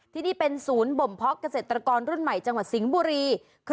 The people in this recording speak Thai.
ที่นี่เป็นศูนย์บ่มเพาะเกษตรกรรุ่นใหม่จังหวัดสิงห์บุรี